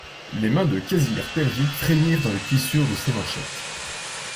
Les mains de Casimir Perier frémirent dans les plissures de ses manchettes.